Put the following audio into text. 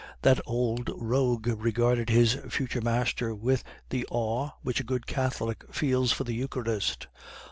"That old rogue regarded his future master with the awe which a good Catholic feels for the Eucharist.